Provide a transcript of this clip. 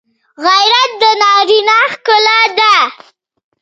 غیرت د نارینه ښکلا ده